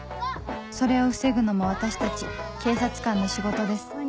それを防ぐのも私たち警察官の仕事です